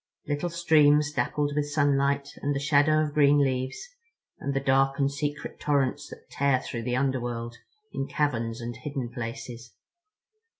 Little streams dappled with sunlight and the shadow of green leaves, and the dark and secret torrents that tear through the underworld in caverns and hidden places.